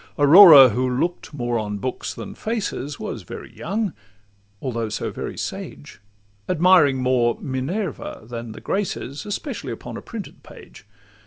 Aurora, who look'd more on books than faces, Was very young, although so very sage, Admiring more Minerva than the Graces, Especially upon a printed page.